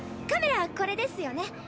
カメラこれですよね。